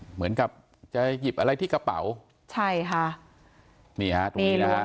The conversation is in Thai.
เหมือนกับจะหยิบอะไรที่กระเป๋าใช่ค่ะนี่ฮะตรงนี้นะฮะ